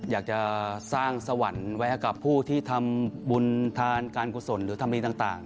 อยากจะสร้างสวรรค์ไว้ให้กับผู้ที่ทำบุญทานการกุศลหรือทำมีต่าง